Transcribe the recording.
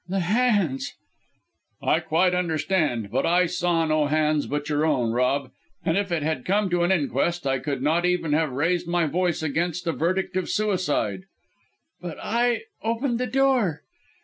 "The hands! " "I quite understand. But I saw no hands but your own, Rob; and if it had come to an inquest I could not even have raised my voice against a verdict of suicide!" "But I opened the door!"